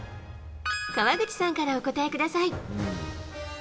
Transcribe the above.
川口さんからお答えください。